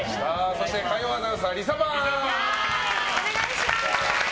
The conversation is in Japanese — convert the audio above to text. そして火曜アナウンサーリサパン。